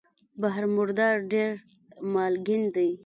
بحر مردار ډېر مالګین دی.